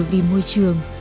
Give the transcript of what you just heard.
vì môi trường